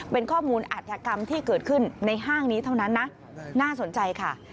เป็นข้อมูลอัธยกรรมที่เกิดขึ้นในห้างนี้เท่านั้นนะน่าสนใจค่ะ